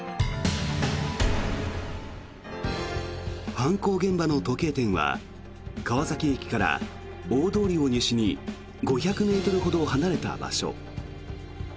犯行現場の時計店は川崎駅から大通りを西に５００ｍほど離れた場所。